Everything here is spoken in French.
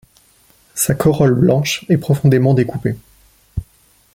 Sa corolle blanche est profondément découpée.